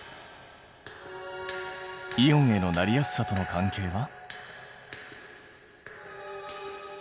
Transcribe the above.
イオンへのなりやすさとの関係は？